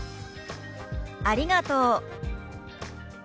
「ありがとう」。